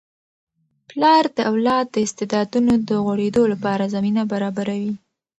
پلار د اولاد د استعدادونو د غوړیدو لپاره زمینه برابروي.